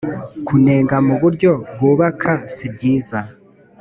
kunenga mu buryo bwubaka sibyiza